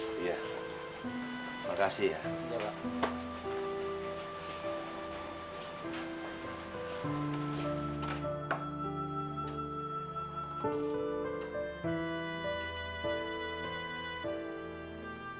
terima kasih pak